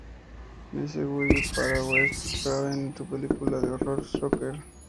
Nice Guy" para Wes Craven y su película de horror Shocker.